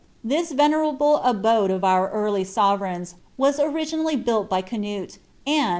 This vetietMi abode of our early sorereigns, was originally huilt by Canute, rniil.